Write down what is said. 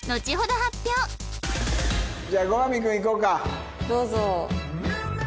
どうぞ。